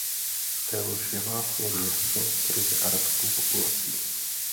Tel Ševa je město s ryze arabskou populací.